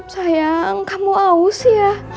sayang kamu aus ya